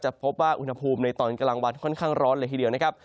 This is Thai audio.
พบว่าอุณหภูมิในตอนกลางวันค่อนข้างร้อนเลยทีเดียวนะครับ